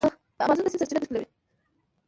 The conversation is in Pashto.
د امازون د سیند سرچینه تشکیلوي.